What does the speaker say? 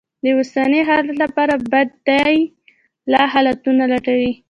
د اوسني حالت لپاره بدي ل حالتونه لټوي.